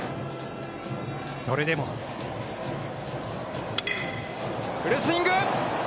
それでもフルスイング！